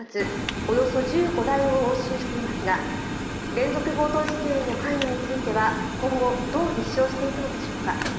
およそ１５台を押収していますが連続強盗事件への関与については今後どう立証していくのでしょうか。